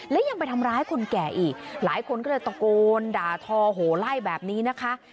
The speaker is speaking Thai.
และยังไปทำร้ายคนแก่อีกหลายคนก็เลยตะโกนด่าทอโหไล่แบบนี้นะคะ